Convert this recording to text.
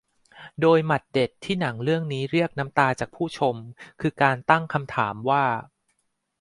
โดยหมัดเด็ดที่หนังเรื่องนี้เรียกน้ำตาจากผู้ชมคือการตั้งคำถามว่า